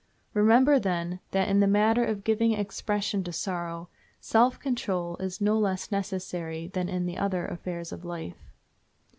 Remember, then, that in the matter of giving expression to sorrow self control is no less necessary than in the other affairs of life.